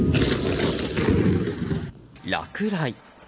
落雷。